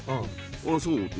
「ああそう」って。